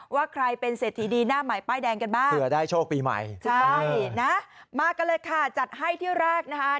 ว่าใครเป็นเศรษฐีดีหน้าหมายป้ายแดงกันบ้าง